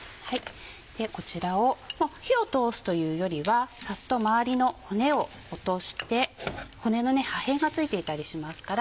こちらを火を通すというよりはサッと周りの骨を落として骨の破片が付いていたりしますから。